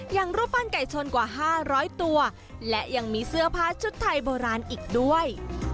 รูปปั้นไก่ชนกว่า๕๐๐ตัวและยังมีเสื้อผ้าชุดไทยโบราณอีกด้วย